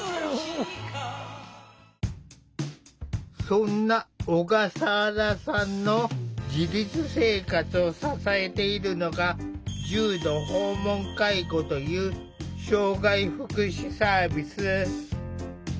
そんな小笠原さんの自立生活を支えているのが重度訪問介護という障害福祉サービス。